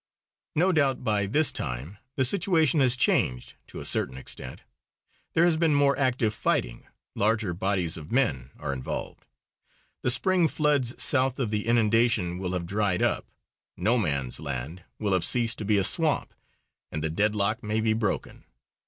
No doubt by this time the situation has changed to a certain extent; there has been more active fighting, larger bodies of men are involved. The spring floods south of the inundation will have dried up. No Man's Land will have ceased to be a swamp and the deadlock may be broken.